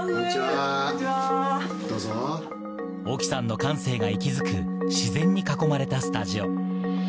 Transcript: ＯＫＩさんの感性が息づく自然に囲まれたスタジオ。